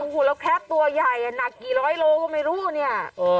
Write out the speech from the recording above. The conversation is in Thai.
โอ้โหแล้วแคปตัวใหญ่หนักกี่ร้อยโลก็ไม่รู้เนี่ย